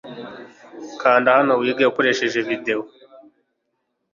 kanda hano wige ukoresheje video